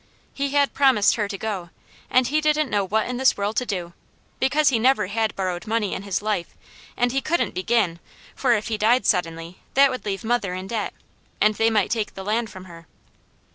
He had promised her to go, and he didn't know what in this world to do; because he never had borrowed money in his life, and he couldn't begin; for if he died suddenly, that would leave mother in debt, and they might take the land from her.